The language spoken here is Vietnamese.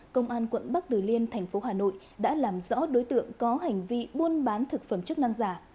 công an quận bắc từ liêm thành phố hà nội đã làm rõ đối tượng có hành vi buôn bán thực phẩm chức năng giả